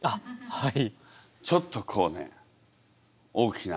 はい。